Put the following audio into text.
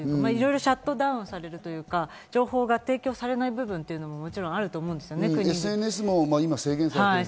いろいろシャットダウンされるというか、情報が提供されない部分もあると思うんですよね。